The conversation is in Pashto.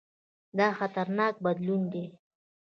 دا خطرناک بدلون دی.